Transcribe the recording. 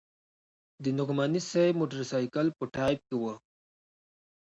د نعماني صاحب د موټرسایکل په ټایپ کې وه.